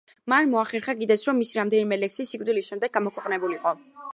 მან მოახერხა კიდეც, რომ მისი რამდენიმე ლექსი სიკვდილის შემდეგ გამოქვეყნებულიყო.